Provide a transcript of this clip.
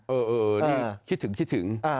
เออเออเออนี่คิดถึงคิดถึง